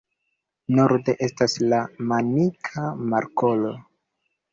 Norde estas la Manika Markolo.